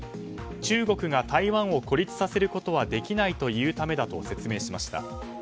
中国が台湾を孤立させることはできないと言うためだと説明しました。